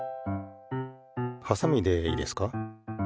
はさみでいいですか。